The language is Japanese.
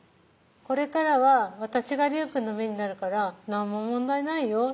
「これからは私が隆くんの目になるから何も問題ないよ」